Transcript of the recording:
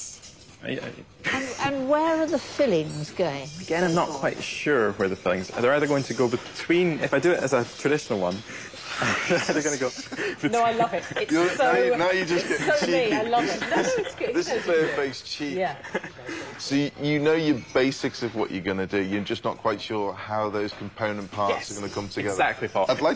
はい！